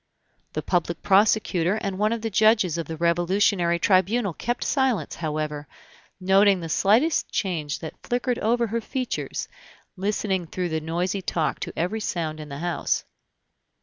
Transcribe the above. The public prosecutor and one of the judges of the Revolutionary Tribunal kept silence, however; noting the slightest change that flickered over her features, listening through the noisy talk to every sound in the house.